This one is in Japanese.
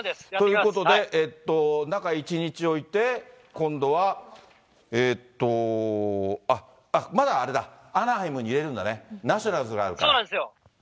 ということで、中１日置いて、今度は、あっ、まだあれだ、アナハイムにいれるんだね、ナショナルズがあるから。